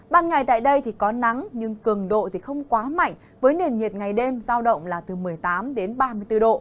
bạn ngày tại đây có nắng nhưng cường độ không quá mạnh với nền nhiệt ngày đêm giao động là từ một mươi tám đến ba mươi năm độ